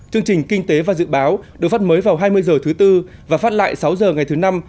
chương trình kinh tế và dự báo được phát mới vào hai mươi h thứ tư và phát lại sáu h ngày thứ năm